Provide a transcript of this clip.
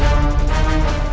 dia sudah berhasil